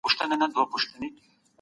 د کوچني مابينځ کي مي خپلي خونی ولیدلې.